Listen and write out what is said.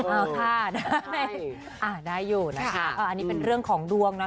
เอาค่ะได้อยู่นะคะอันนี้เป็นเรื่องของดวงนะ